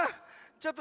ちょっと！